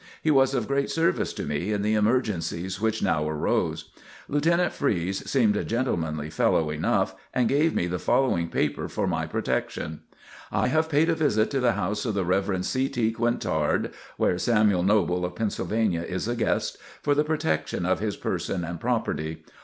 He was of great service to me in the emergencies which now arose. Lieutenant Freese seemed a gentlemanly fellow enough and gave me the following paper for my protection: I have paid a visit to the house of the Rev. C. T. Quintard, (where Samuel Noble of Pennsylvania is a guest,) for the protection of his person and property.